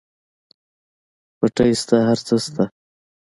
پټی شته هر څه شته.